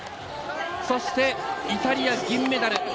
そして、イタリア銀メダル。